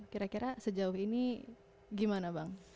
kira kira sejauh ini gimana bang